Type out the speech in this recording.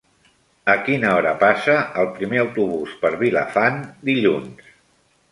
A quina hora passa el primer autobús per Vilafant dilluns?